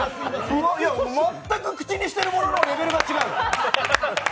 全く口にしているもののレベルが違う。